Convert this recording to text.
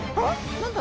何だ？